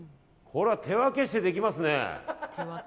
これは手分けしてできますね。